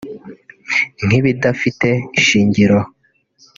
nk'ibidafite ishingiro